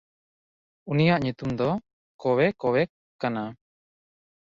ᱩᱱᱤᱭᱟᱜ ᱧᱩᱛᱩᱢ ᱫᱚ ᱠᱚᱣᱮᱠᱚᱣᱮᱠ ᱠᱟᱱᱟ᱾